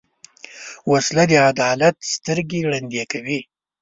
وسله د عدالت سترګې ړندې کوي